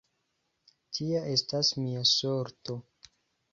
Tia estas mia sorto!